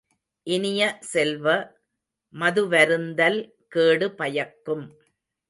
இனிய செல்வ, மதுவருந்தல் கேடு பயக்கும்.